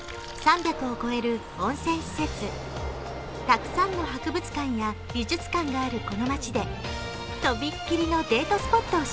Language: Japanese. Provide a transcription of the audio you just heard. ３００を超える温泉施設たくさんの博物館や美術館がこのまちでとびっきりのデート